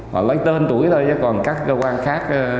họ lấy tên tuổi thôi chứ còn các cơ quan khác